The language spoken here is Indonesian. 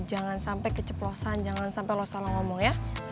jangan sampe keceplosan jangan sampe lo salah ngomong ya